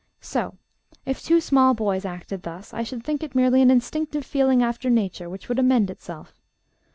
So, if two small boys acted thus, I should think it merely an instinctive feeling after Nature, which would amend itself.